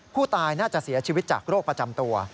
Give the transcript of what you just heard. ผู้ตายน่าจะเสียชีวิตจากโรคประจำตัว